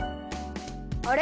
あれ？